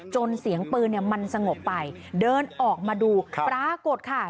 เสียงปืนเนี่ยมันสงบไปเดินออกมาดูปรากฏค่ะ